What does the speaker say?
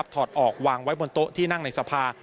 ถอดออกวางไว้บนโต๊ะที่นั่งในสภา